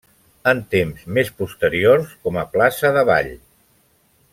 En temps més posteriors com a plaça d'Avall.